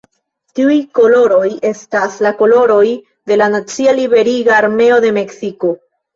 Tiuj koloroj estas la koloroj de la nacia liberiga armeo de Meksiko.